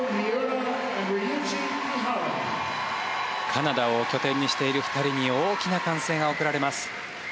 カナダを拠点としている２人に大きな歓声が送られます。